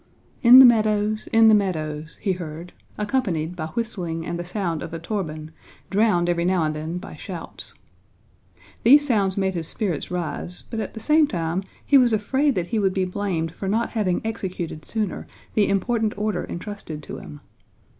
"In the meadows... in the meadows!" he heard, accompanied by whistling and the sound of a torban, drowned every now and then by shouts. These sounds made his spirits rise, but at the same time he was afraid that he would be blamed for not having executed sooner the important order entrusted to him.